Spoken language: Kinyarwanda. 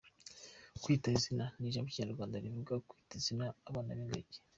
Kwita Izina” ni ijambo ry’ikinyarwanda rivuga kwita izina abana b’ingagi.